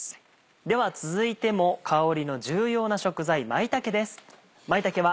では続いても香りの重要な食材舞茸です。